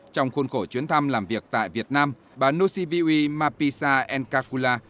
trong khuôn khổ chuyến thăm làm việc tại việt nam bà nociviui mapisa nkakula